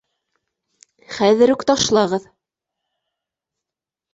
Хәҙер үк ташлағыҙ.